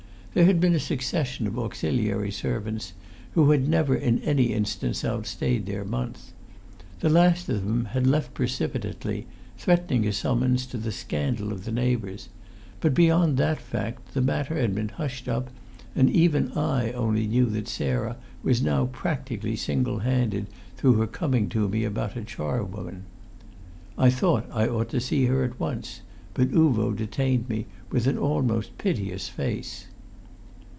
There had been a succession of auxiliary servants who had never in any instance outstayed their month. The last of them had left precipitately, threatening a summons, to the scandal of the neighbours; but beyond that fact the matter had been hushed up, and even I only knew that Sarah was now practically single handed through her coming to me about a charwoman. I thought I ought to see her at once, but Uvo detained me with an almost piteous face.